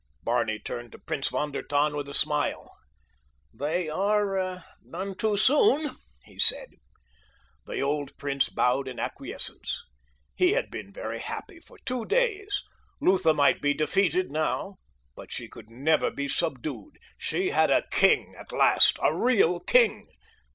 Barney turned to Prince von der Tann with a smile. "They are none too soon," he said. The old prince bowed in acquiescence. He had been very happy for two days. Lutha might be defeated now, but she could never be subdued. She had a king at last—a real king.